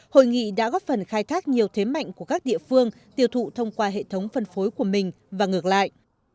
hội nghị đã góp phần khai thác nhiều thế mạnh của các địa phương tiêu thụ thông qua hệ thống phân phối của mình và ngược lại